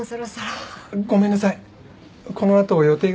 あっごめんなさい。